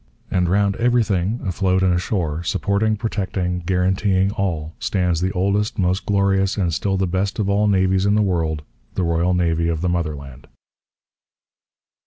And round everything, afloat and ashore, supporting, protecting, guaranteeing all, stands the oldest, most glorious, and still the best of all the navies in the world the Royal Navy of the motherland.